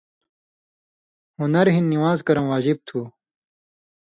ہُنَر ہِن نِوان٘ز کرٶں واجب تھُو۔